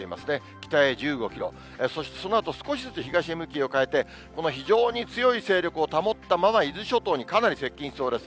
北へ１５キロ、そしてそのあと少しずつ東へ向きを変えて、この非常に強い勢力を保ったまま、伊豆諸島にかなり接近しそうです。